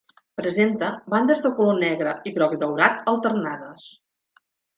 Presenta bandes de color negre i groc-daurat alternades.